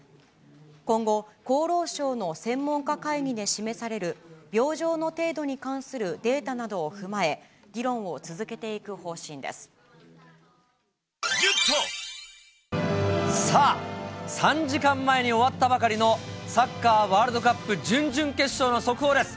今後、厚労省の専門家会議で示される、病状の程度に関するデータなどを踏まえ、議論を続けていく方針でさあ、３時間前に終わったばかりのサッカーワールドカップ準々決勝の速報です。